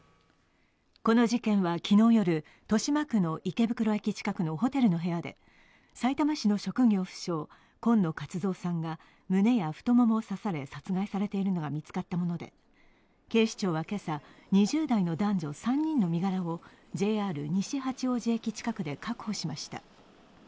この事件は昨日夜、豊島区の池袋駅近くのホテルの部屋でホテルの部屋でさいたま市の職業不詳・今野勝蔵さんが胸や太ももを刺され、殺害されているのが見つかったもので警視庁は今朝、２０代の男女３人の身柄をＪＲ西八王子駅近くで確保しました。